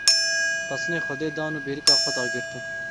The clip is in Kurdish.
Pesinê Xwedê dan û bêrîka xwe dagirtin.